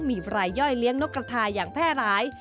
มีรายย่อยเลี้ยงนกกระทาอย่างแพร่หลาย